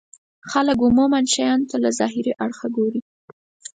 خلک عموما شيانو ته له ظاهري اړخه ګوري.